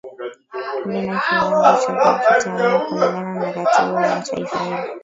Lina kiwango cha kujitawala kulingana na katiba ya taifa hilo